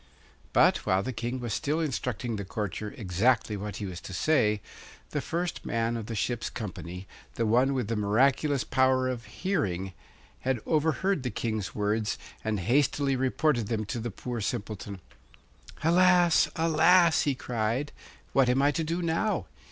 But while the King was still instructing the courtier exactly what he was to say, the first man of the ship's company, the one with the miraculous power of hearing, had overheard the King's words, and hastily reported them to the poor Simpleton. 'Alas, alas!' he cried; 'what am I to do now?